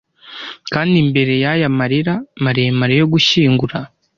kandi imbere yaya marira maremare yo gushyingura